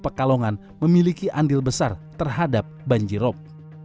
pekalongan memiliki andil besar terhadap banjirop